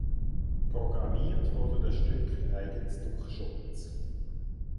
Programmiert wurde das Stück eigens durch Schulz.